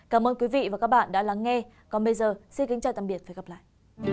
cảm ơn quý vị và các bạn đã lắng nghe còn bây giờ xin kính chào tạm biệt và hẹn gặp lại